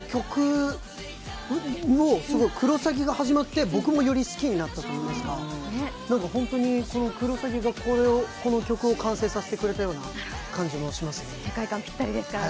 この曲、「クロサギ」が始まって、僕もより好きになったといいますか「クロサギ」がこの曲を完成させてくれたような気がしますね。